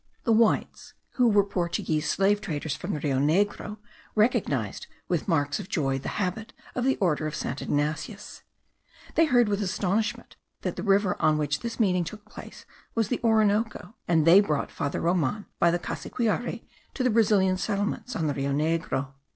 The whites, who were Portuguese slave traders of the Rio Negro, recognized with marks of joy the habit of the order of St. Ignatius. They heard with astonishment that the river on which this meeting took place was the Orinoco; and they brought Father Roman by the Cassiquiare to the Brazilian settlements on the Rio Negro.